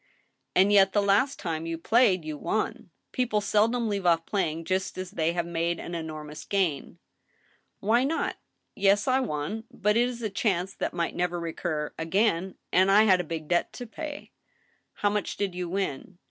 " And yet, the last time you played you won. People seldom leave off playing just as they have made an enormous gain." " Why not ? Yes, I won. But it is a chance that might never recur again, and I had a big debt to pay —"How much did you win